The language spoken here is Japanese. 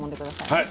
はい。